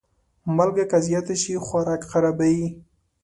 مالګه که زیاته شي، خوراک خرابوي.